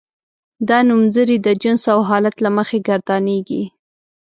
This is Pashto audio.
دا نومځري د جنس او حالت له مخې ګردانیږي.